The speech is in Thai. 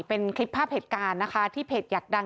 เป็นคลิปภาพเหตุการณ์นะคะที่เพจอยากดัง